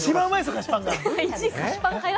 菓子パンが。